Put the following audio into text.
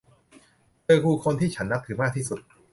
เธอคือคนที่ฉันนับถือมากที่สุด